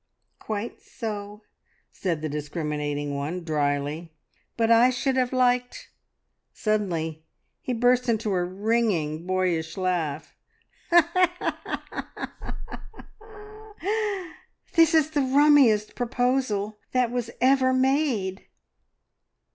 "Quite so," said the discriminating one dryly, "but I should have liked " Suddenly he burst into a ringing boyish laugh. "This is the rummiest proposal that was ever made!"